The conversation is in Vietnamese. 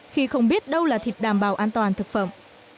khi không biết đâu là thịt đảm bảo an toàn thực phẩm